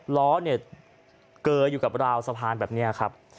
ล้อเนี่ยเกออยู่กับราวสะพานแบบนี้ครับ